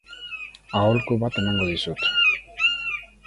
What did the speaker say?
Aholku bat emango dizut.